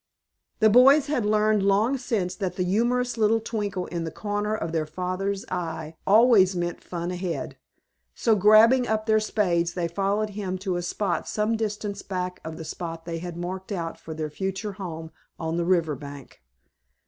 The boys had learned long since that the humorous little twinkle in the corner of their father's eye always meant fun ahead, so grabbing up their spades they followed him to a spot some distance back of the spot they had marked out for their future home on the river bank.